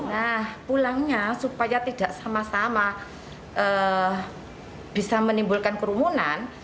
nah pulangnya supaya tidak sama sama bisa menimbulkan kerumunan